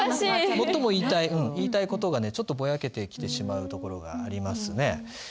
最も言いたい事がねちょっとぼやけてきてしまうところがありますね。